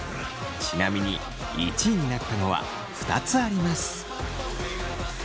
ちなみに１位になったのは２つあります。